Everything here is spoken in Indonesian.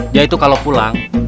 dia itu kalau pulang